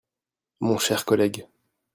Mon cher collègue